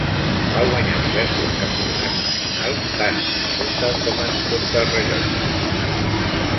Va guanyar diversos campionats nacionals tant en ruta com en contrarellotge.